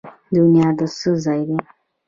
دنیا د څه ځای دی؟